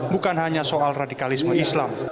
bukan hanya soal radikalisme islam